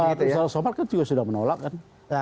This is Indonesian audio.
ustadz somad kan sudah menolak kan